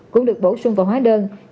cũng được bổ sung vào hóa đơn